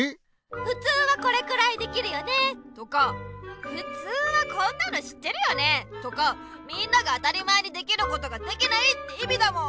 「ふつうはこれくらいできるよね」とか「ふつうはこんなの知ってるよね」とか「みんなが当たり前にできることができない」っていみだもん。